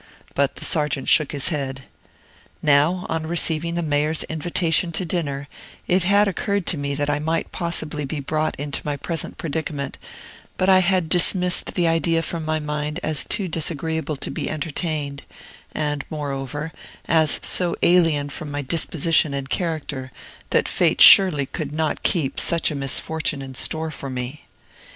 But the Sergeant shook his head. Now, on first receiving the Mayor's invitation to dinner, it had occurred to me that I might possibly be brought into my present predicament; but I had dismissed the idea from my mind as too disagreeable to be entertained, and, moreover, as so alien from my disposition and character that Fate surely could not keep such a misfortune in store for me.